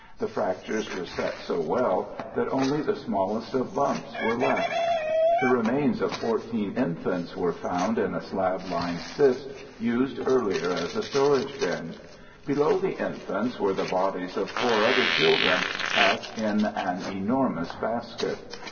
The fractures were set so well that only the smallest of bumps were left. The remains of 14 infants were found in a slab lined cist used earlier as a storage bin. Below the infants were the bodies of four other children packed in an enormous basket.